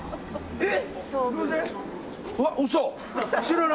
えっ！？